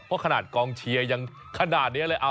เพราะขนาดกองเชียร์ยังขนาดนี้เลย